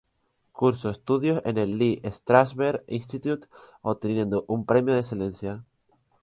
Cursó estudios en el Lee Strasberg Institute", obteniendo un premio de excelencia.